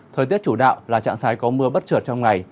thời tiết chủ đạo là trạng thái có mưa bất trợt trong ngày